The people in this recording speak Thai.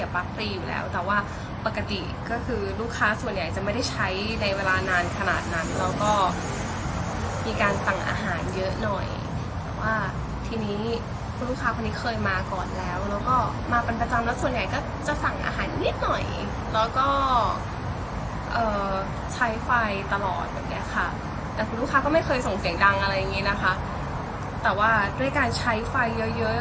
อยู่แล้วแต่ว่าปกติก็คือลูกค้าส่วนใหญ่จะไม่ได้ใช้ในเวลานานขนาดนั้นแล้วก็มีการสั่งอาหารเยอะหน่อยแต่ว่าทีนี้คุณลูกค้าคนนี้เคยมาก่อนแล้วแล้วก็มาเป็นประจำแล้วส่วนใหญ่ก็จะสั่งอาหารนิดหน่อยแล้วก็เอ่อใช้ไฟตลอดแบบเนี้ยค่ะแต่คือลูกค้าก็ไม่เคยส่งเสียงดังอะไรอย่างงี้นะคะแต่ว่าด้วยการใช้ไฟเยอะเยอะ